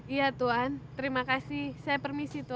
iya tuan terima kasih saya permisi tuan